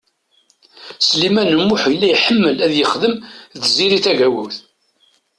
Sliman U Muḥ yella iḥemmel ad yexdem d Tiziri Tagawawt.